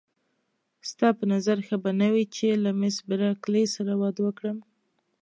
ستا په نظر ښه به نه وي چې له مېس بارکلي سره واده وکړم.